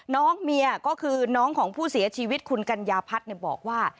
น้องเมียก็คือน้องของผู้เสียชีวิตคุณกัญญาพัฒน์บอกว่า